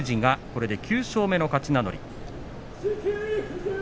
これで９勝目の勝ち名乗り。